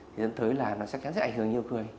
thế đến tới là nó sẽ kén sẽ ảnh hưởng nhiều người